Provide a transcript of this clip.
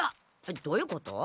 どういうこと？